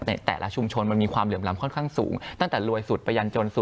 แต่ละชุมชนมันมีความเหลื่อมล้ำค่อนข้างสูงตั้งแต่รวยสุดไปยันจนสุด